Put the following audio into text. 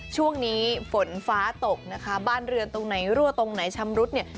ช่วงนี้ฝนฟ้าตกนะคะบ้านเรือนตรงไหนรั่วตรงไหนชำรุดเนี่ย